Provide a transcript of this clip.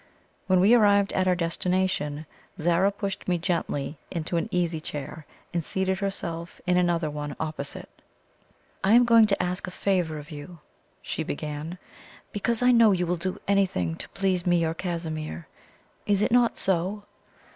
When we arrived at our destination, Zara pushed me gently into an easy chair, and seated herself in another one opposite. "I am going to ask a favour of you," she began; "because I know you will do anything to please me or Casimir. Is it not so?"